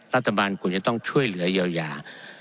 รัฐบาลควรจะต้องช่วยเหลือเยียวยา